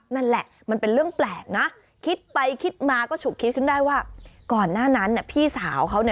อยู่ดวงเพื่อนก็เลยบอกว่าเป็นพญานาค